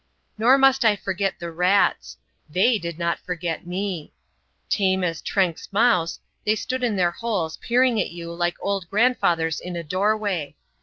Nor must I forget the rats : they did not forget me. Tame as Trenck's mouse, they stood in their holes peering at you like old grandfathers in a doorway.